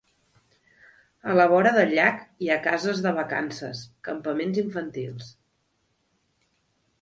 A la vora del llac hi ha cases de vacances, campaments infantils.